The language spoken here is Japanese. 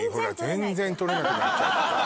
全然捕れなくなっちゃった。